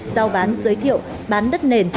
giao bán giới thiệu bán đất nền